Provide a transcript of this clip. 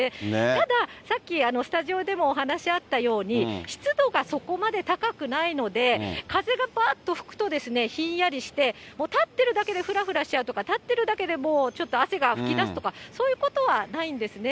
ただ、さっきスタジオでもお話あったように、湿度がそこまで高くないので、風がぱっと吹くとですね、ひんやりして、立ってるだけでふらふらしちゃうとか、立ってるだけでもう、ちょっと汗がふきだすとか、そういうことはないんですね。